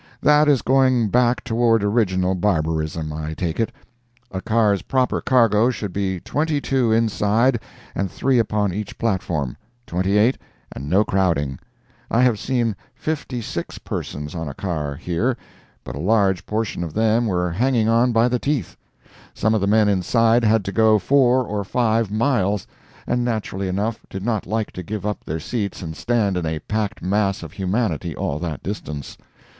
That is going back toward original barbarism, I take it. A car's proper cargo should be twenty two inside and three upon each platform—twenty eight and no crowding. I have seen fifty six persons on a car, here, but a large portion of them were hanging on by the teeth. Some of the men inside had to go four or five miles, and naturally enough did not like to give up their seats and stand in a packed mass of humanity all that distance.